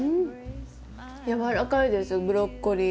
軟らかいですブロッコリー。